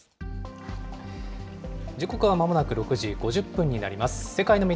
時刻はまもなく６時５０分になります。